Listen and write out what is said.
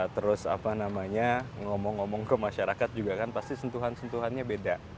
terus apa namanya ngomong ngomong ke masyarakat juga kan pasti sentuhan sentuhannya beda